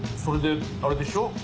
それでアレでしょ？。